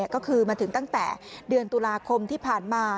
ก็คือมาถึงตั้งแต่เดือนตุลาคมที่ผ่านมา